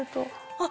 あっ！